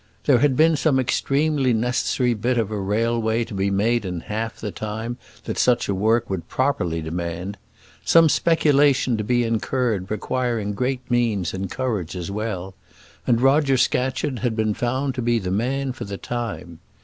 There had been some extremely necessary bit of a railway to be made in half the time that such work would properly demand, some speculation to be incurred requiring great means and courage as well, and Roger Scatcherd had been found to be the man for the time.